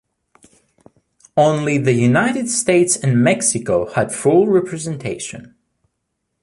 Only the United States and Mexico had full representation.